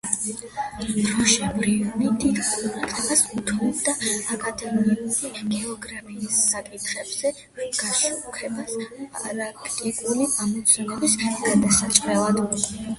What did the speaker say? როჟე ბრიუნე დიდ ყურადღებას უთმობდა აკადემიური გეოგრაფიის საკითხების გაშუქებას პრაქტიკული ამოცანების დასაჭრელად.